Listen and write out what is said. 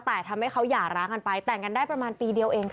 แต่ทำให้เขาหย่าร้างกันไปแต่งกันได้ประมาณปีเดียวเองค่ะ